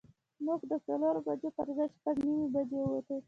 موږ د څلورو بجو پر ځای شپږ نیمې بجې ووتو.